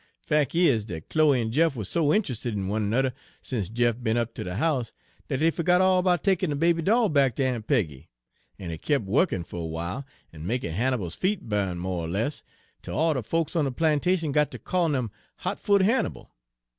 Fac' is, dat Chloe en Jeff wuz so int'rusted in one ernudder sence Jeff be'n up ter de house, dat dey fergot all 'bout takin' de baby doll back ter Aun' Peggy, en it kep' wukkin' fer a w'ile, en makin' Hannibal's feet bu'n mo' er less, 'tel all de folks on de plantation got ter callin' 'im Hot Foot Hannibal.